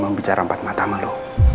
gue mau bicara empat mata sama lo